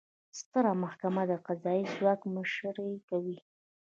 ستره محکمه د قضایي ځواک مشري کوي